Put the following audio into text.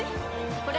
これ！